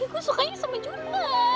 tapi gue sukanya sama juna